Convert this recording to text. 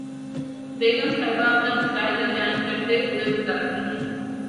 بیگم صاحبہ اپنا مشاہدہ بیان کرتے ہوئے بتاتی ہیں